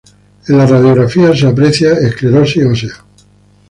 En las radiografías se aprecia esclerosis ósea.